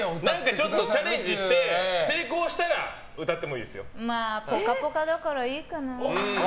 ちょっとチャレンジして成功したら「ぽかぽか」だからいいかな。